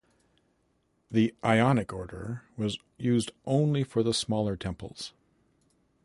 The Ionic order was used only for the smaller temples.